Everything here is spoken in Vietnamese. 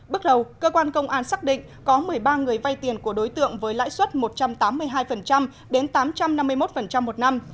bước đầu cơ quan công an xác định có một mươi ba người vay tiền của đối tượng với lãi suất một trăm tám mươi hai đến tám trăm năm mươi một một năm